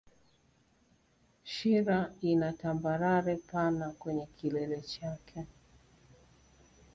Shira ina tambarare pana kwenye kilele chake